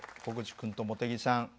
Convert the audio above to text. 小口さんと茂木さん